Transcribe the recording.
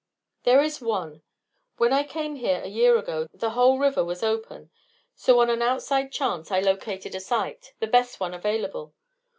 "There is one. When I came here a year ago the whole river was open, so on an outside chance I located a site, the best one available.